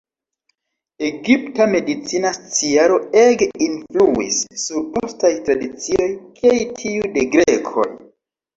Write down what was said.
Egipta medicina sciaro ege influis sur postaj tradicioj, kiaj tiu de grekoj.